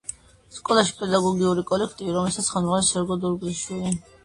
სკოლაში პედაგოგიური კოლექტივი, რომელსაც ხელმძღვანელობს სერგო დურგლიშვილი.